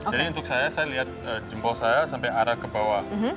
jadi untuk saya saya lihat jempol saya sampai arah ke bawah